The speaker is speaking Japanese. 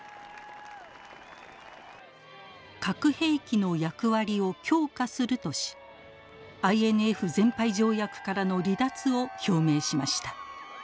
核兵器の役割を強化するとしＩＮＦ全廃条約からの離脱を表明しました。